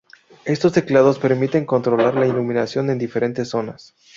Estos teclados permiten controlar la iluminación en diferentes zonas.